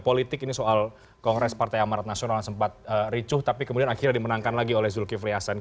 politik ini soal kongres partai amarat nasional yang sempat ricuh tapi kemudian akhirnya dimenangkan lagi oleh zulkifli hasan